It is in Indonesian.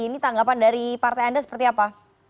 ini tanggapan dari partai anda seperti apa